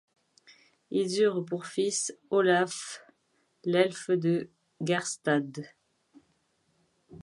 Ils eurent pour fils Óláf l'Elfe de Geirstad.